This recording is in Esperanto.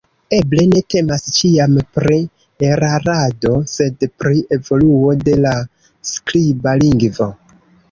Eble ne temas ĉiam pri erarado, sed pri evoluo de la skriba lingvo.